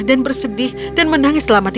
dan bersedih dan menangis selama tiga hari